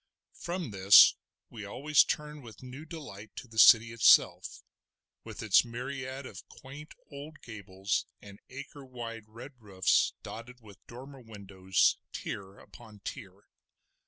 From this we always turned with new delight to the city itself, with its myriad of quaint old gables and acre wide red roofs dotted with dormer windows, tier upon tier.